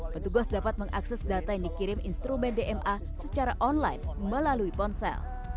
petugas dapat mengakses data yang dikirim instrumen dma secara online melalui ponsel